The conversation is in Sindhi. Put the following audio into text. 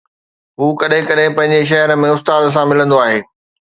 هو ڪڏهن ڪڏهن پنهنجي شهر ۾ استاد سان ملندو آهي.